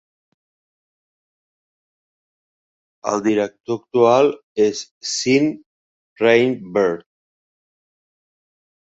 El director actual és Sean Rainbird.